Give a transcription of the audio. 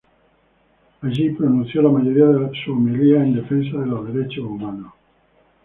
Allí pronunció la mayoría de sus homilías en defensa de los derechos humanos.